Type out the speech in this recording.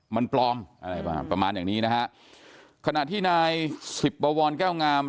มันปลอมอะไรประมาณอย่างนี้นะฮะขณะที่นายสิบบวรแก้วงาม